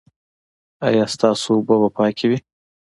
ایا ستاسو اوبه به پاکې وي؟